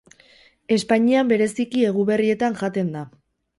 Espainian bereziki Eguberrietan jaten da.